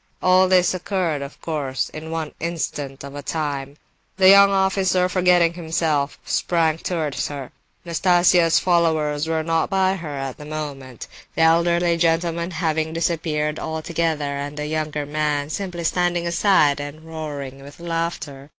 All this occurred, of course, in one instant of time. The young officer, forgetting himself, sprang towards her. Nastasia's followers were not by her at the moment (the elderly gentleman having disappeared altogether, and the younger man simply standing aside and roaring with laughter).